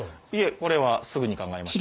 これはすぐに考えました。